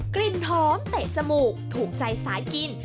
กลิ่นหอมเตะจมูกถูกใจสายกิน